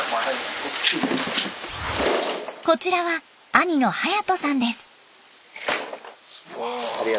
こちらは兄の勇人さんです。